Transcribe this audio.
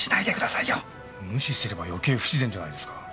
無視すれば余計不自然じゃないですか。